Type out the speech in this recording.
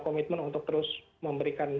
komitmen untuk terus memberikan